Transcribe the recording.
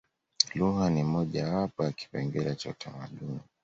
lugha ni moja wapo ya kipengele cha utamaduni